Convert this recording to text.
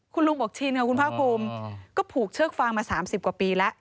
คุณลุงบอกชินค่ะคุณภาคภูมิก็ผูกเชือกฟางมา๓๐กว่าปีแล้ว